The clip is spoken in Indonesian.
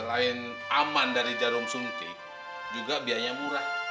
selain aman dari jarum suntik juga biayanya murah